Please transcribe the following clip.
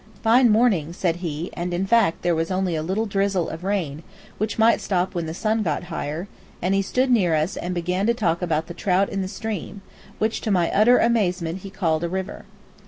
"Fine morning," said he, and in fact there was only a little drizzle of rain, which might stop when the sun got higher; and he stood near us and began to talk about the trout in the stream, which, to my utter amazement, he called a river.